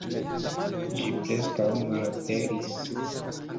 Ĝi preskaŭ malaperis.